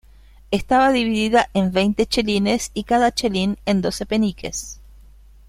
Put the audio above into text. Estaba dividida en veinte chelines, y cada chelín en doce peniques.